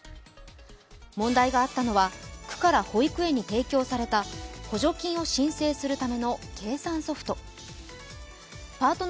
問題があったのは、区から保育園に提供された補助金を申請するための計算ソフト。